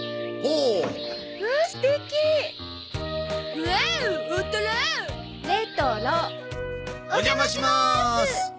お邪魔します。